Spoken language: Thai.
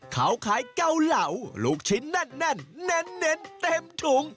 เขาขายเกาเหลาลูกชิ้นแน่นเน้นเต็มถุง